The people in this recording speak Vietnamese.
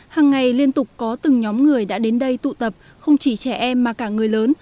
hàng ngày liên tục có từng nhóm người đã đến đây tụ tập không chỉ trẻ em mà cả người lớn